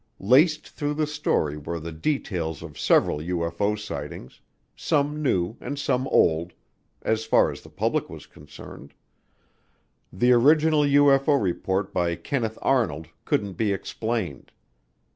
Laced through the story were the details of several UFO sightings; some new and some old, as far as the public was concerned. The original UFO report by Kenneth Arnold couldn't be explained.